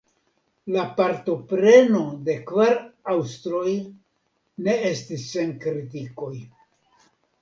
La partopreno de la kvar aŭstroj ne estis sen kritikoj.